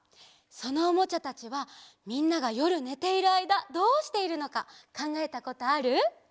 そのおもちゃたちはみんながよるねているあいだどうしているのかかんがえたことある？